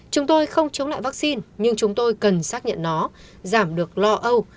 chúng tôi không chống lại vaccine nhưng chúng tôi cần xác nhận nó giảm được lo âu